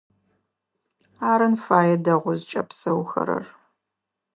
Арын фае дэгъоу зыкӀэпсэухэрэр.